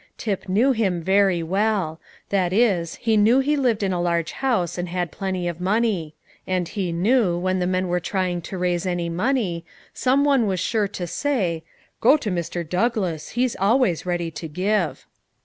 Tip knew him very well; that is, he knew he lived in a large house and had plenty of money; and he knew, when the men were trying to raise any money, some one was sure to say, "Go to Mr. Douglass; he's always ready to give."